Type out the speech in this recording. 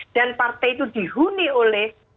dan partai itu dihuni oleh